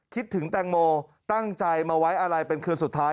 คิดถึงแตงโมตั้งใจมาไว้อะไรเป็นคืนสุดท้าย